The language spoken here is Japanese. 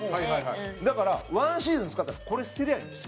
だから、ワンシーズン使ったらこれ、捨てりゃいいんですよ。